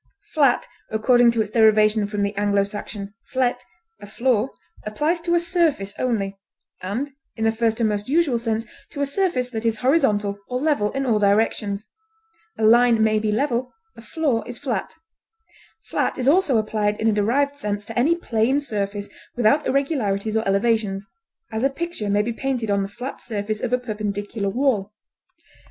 Flat, according to its derivation from the Anglo Saxon flet, a floor, applies to a surface only, and, in the first and most usual sense, to a surface that is horizontal or level in all directions; a line may be level, a floor is flat; flat is also applied in a derived sense to any plane surface without irregularities or elevations, as a picture may be painted on the flat surface of a perpendicular wall.